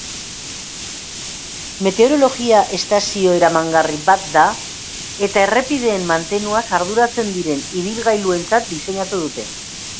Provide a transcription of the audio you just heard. Meteorologia-estazio eramangarri bat da eta errepideen mantenuaz arduratzen diren ibilgailuentzat diseinatu dute.